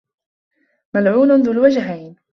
مَلْعُونٌ ذُو الْوَجْهَيْنِ